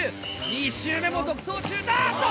２周目も独走中あっと！